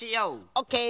オッケー。